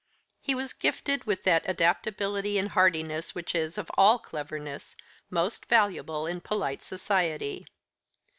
He was gifted with that adaptability and hardiness which is, of all cleverness, most valuable in polite society.